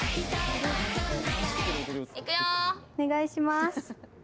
お願いします。